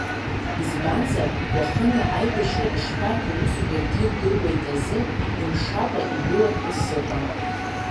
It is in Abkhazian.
Избанзар, уахынла аибашьра ишшәарҭа усу даргьы ирдыруеит азы, имшакәа ижәылап ҳәа сыҟам!